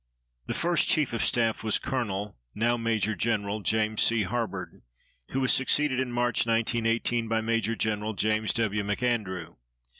The first Chief of Staff was Colonel (now Major Gen.) James G. Harbord, who was succeeded in March, 1918, by Major Gen. James W. McAndrew.